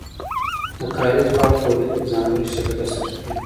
د کاري ځواک تولید په ځانګړي شکل ترسره کیږي.